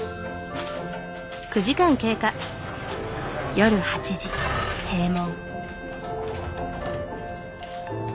夜８時閉門。